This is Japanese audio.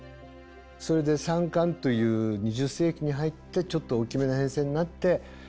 それで３管という２０世紀に入ってちょっと大きめの編成になって９０人前後。